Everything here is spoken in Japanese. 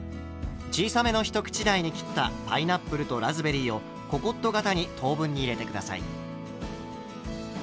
小さめのひと口大に切ったパイナップルとラズベリーをココット型に等分に入れて下さい。